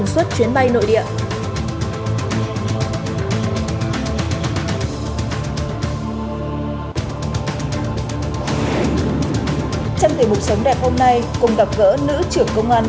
sẽ còn mãi trong lòng nhân dân